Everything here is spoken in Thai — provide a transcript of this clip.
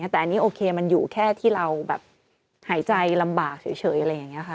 แต่อันนี้โอเคมันอยู่แค่ที่เราแบบหายใจลำบากเฉยอะไรอย่างนี้ค่ะ